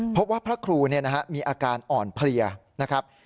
เพราะว่าพระครูมีอาการอ่อนเพลียนะครับ